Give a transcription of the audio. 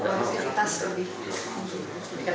lebih kualitas lebih